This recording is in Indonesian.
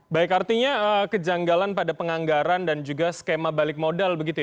baik artinya kejanggalan pada penganggaran dan juga skema balik modal begitu ya